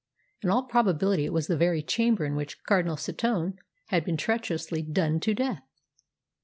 In all probability it was the very chamber in which Cardinal Setoun had been treacherously done to death.